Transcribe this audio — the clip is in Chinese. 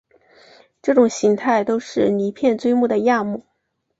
这种形态都是离片锥目的亚目。